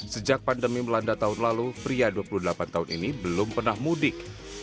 sejak pandemi melanda tahun lalu pria dua puluh delapan tahun ini belum pernah mudik